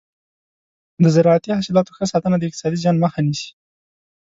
د زراعتي حاصلاتو ښه ساتنه د اقتصادي زیان مخه نیسي.